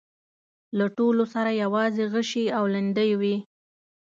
له ټولو سره يواځې غشي او ليندۍ وې.